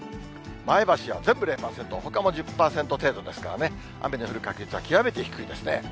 前橋は全部０％、ほかも１０％程度ですからね、雨の降る確率は極めて低いですね。